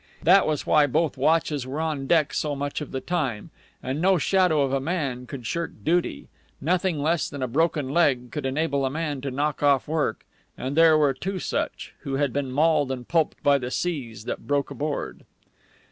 That was why both watches were on deck so much of the time. And no shadow of a man could shirk duty. Nothing less than a broken leg could enable a man to knock off work; and there were two such, who had been mauled and pulped by the seas that broke aboard.